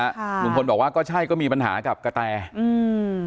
ค่ะลุงพลบอกว่าก็ใช่ก็มีปัญหากับกะแตอืม